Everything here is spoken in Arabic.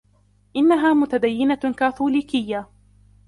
إنها متدينة كاثوليكية.